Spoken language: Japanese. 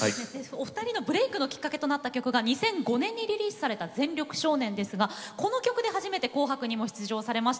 お二人のブレークのきっかけとなった曲が２００５年にリリースされた「全力少年」ですがこの曲で初めて「紅白」にも出場されました。